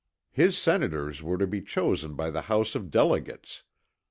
His senators were to be chosen by the House of Delegates.